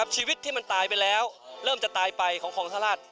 ชีวิตที่มันตายไปแล้วเริ่มจะตายไปของคลองราช